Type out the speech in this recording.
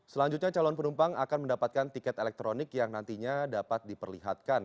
selanjutnya calon penumpang akan mendapatkan tiket elektronik yang nantinya dapat diperlihatkan